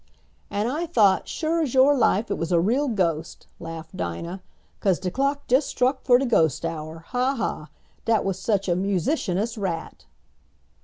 "And I thought, sure's yo' life, it was a real ghost," laughed Dinah. "'Cause de clock jest struck fer de ghost hour. Ha! ha! dat was suah a musicanious rat."